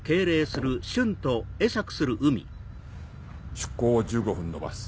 出港を１５分延ばす。